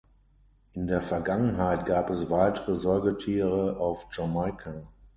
In der Vergangenheit gab es weitere Säugetiere auf Jamaika.